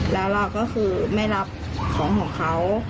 แล้วเราก็คือไม่รับของของเขา